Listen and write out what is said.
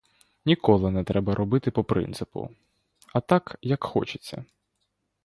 Ніколи не треба робить по принципу, а так, як хочеться.